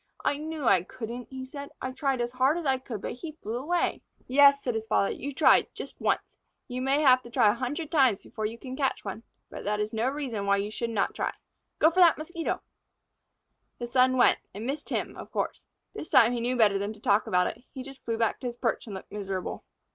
"I knew I couldn't," he said. "I tried as hard as I could, but he flew away." "Yes," said his father. "You tried once, just once. You may have to try a hundred times before you catch one, but that is no reason why you should not try. Go for that Mosquito." The son went, and missed him, of course. This time he knew better than to talk about it. He just flew back to his perch and looked miserable.